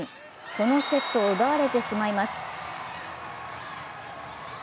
このセットを奪われてしまいます。